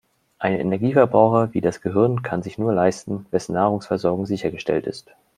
Einen Energieverbraucher wie das Gehirn kann sich nur leisten, wessen Nahrungsversorgung sichergestellt ist.